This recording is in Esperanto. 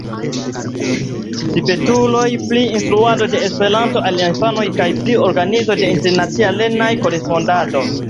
Spertulo pri instruado de Esperanto al infanoj kaj pri organizo de internacia lerneja korespondado.